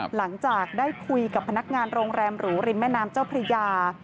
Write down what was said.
หลังจากได้คุยกับพนักงานโรงแรมหรูริมแม่น้ำเจ้าพระยา